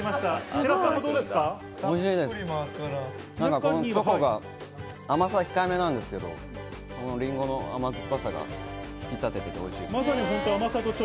チョコが甘さ控え目なんですけれど、リンゴの甘酸っぱさが引き立っておいしいです。